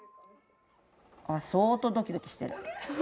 あっ相当ドキドキしてる。